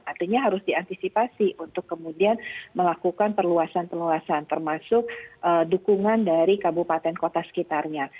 artinya harus diantisipasi untuk kemudian melakukan perluasan perluasan termasuk dukungan dari kabupaten kota sekitarnya